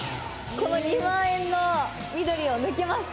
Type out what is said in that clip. この２万円の緑を抜きますか。